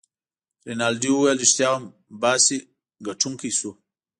رینالډي وویل: ريښتیا هم، باسي ګټونکی شو.